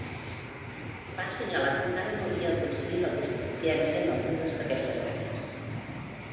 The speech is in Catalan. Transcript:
Va assenyalar que encara no havia aconseguit l'autosuficiència en algunes d'aquestes àrees.